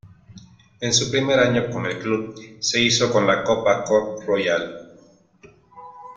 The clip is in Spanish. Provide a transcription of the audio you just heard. En su primer año con el club se hizo con la Copa Kor Royal.